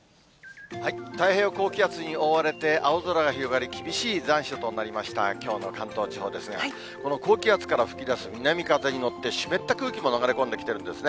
太平洋高気圧に覆われて、青空が広がり、厳しい残暑となりました、きょうの関東地方ですが、この高気圧から吹き出す南風に乗って、湿った空気も流れ込んできているんですね。